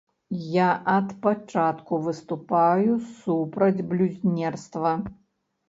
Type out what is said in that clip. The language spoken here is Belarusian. Я ад пачатку выступаю супраць блюзнерства.